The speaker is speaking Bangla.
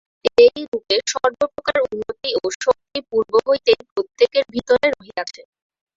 এইরূপে সর্বপ্রকার উন্নতি ও শক্তি পূর্ব হইতেই প্রত্যেকের ভিতরে রহিয়াছে।